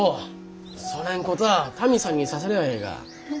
そねんこたあタミさんにさせりゃあええが。